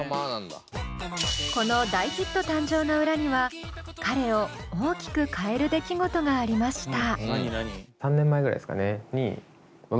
この大ヒット誕生の裏には彼を大きく変える出来事がありました。